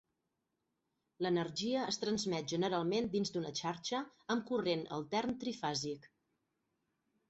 L'energia es transmet generalment dins d'una xarxa amb corrent altern trifàsic.